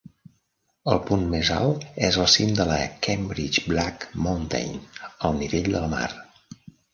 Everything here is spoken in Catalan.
El punt més alt és el cim de la Cambridge Black Mountain, al nivell del mar.